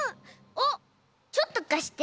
あっちょっとかして！